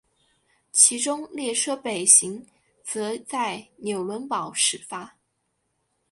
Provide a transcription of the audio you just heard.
其中列车北行则在纽伦堡始发。